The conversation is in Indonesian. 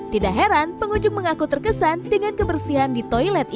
tidak heran pengunjung mengaku terkesan dengan kebersihan di toilet